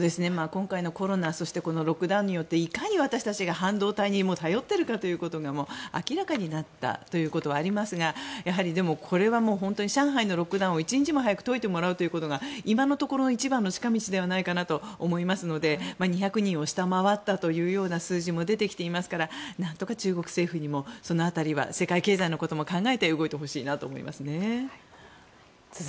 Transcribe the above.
今回のコロナそしてロックダウンによっていかに私たちが半導体に頼っているかということが明らかになったということはありますがやはりでもこれは本当に上海のロックダウンを一日でも早く解いてもらうということが今のところの一番の近道ではないかと思いますので２００人を下回ったというような数字も出てきていますからなんとか中国政府にもその辺りは世界経済のことを考えて動いてほしいなと思いますね。